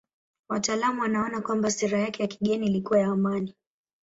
Wataalamu wanaona kwamba sera yake ya kigeni ilikuwa ya amani.